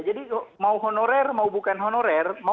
jadi mau honorer mau bukan honorer mau harga yang baru